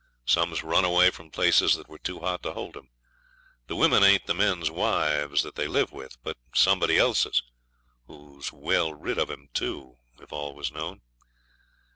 Some's run away from places that were too hot to hold 'em. The women ain't the men's wives that they live with, but somebody else's who's well rid of 'em too if all was known.